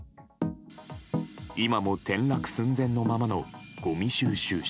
今も転落寸前のままのごみ収集車。